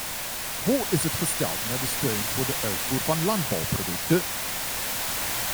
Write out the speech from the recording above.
Hoe is het gesteld met de steun voor de uitvoer van landbouwproducten?